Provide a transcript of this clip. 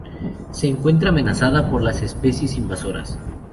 Se encuentra amenazada por las especies invasoras.